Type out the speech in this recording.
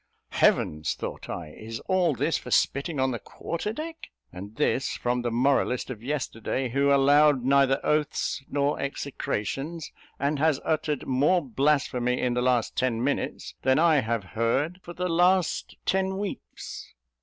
"Heavens!" thought I, "is all this for spitting on the quarter deck? and this, from the moralist of yesterday, who allowed neither oaths nor execrations, and has uttered more blasphemy in the last ten minutes, than I have heard for the last ten weeks?"